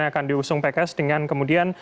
yang akan diusung pks dengan kemudian